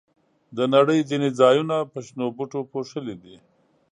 د نړۍ ځینې ځایونه په شنو بوټو پوښلي دي.